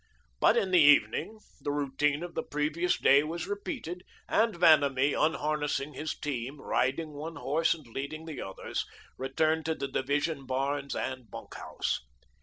But in the evening, the routine of the previous day was repeated, and Vanamee, unharnessing his team, riding one horse and leading the others, returned to the division barns and bunk house.